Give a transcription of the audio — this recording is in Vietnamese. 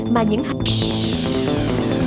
mà những hạnh phúc